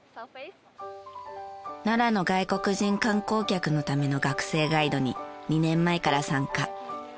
奈良の外国人観光客のための学生ガイドに２年前から参加。